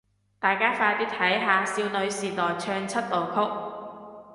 大家快啲睇下少女時代唱出道曲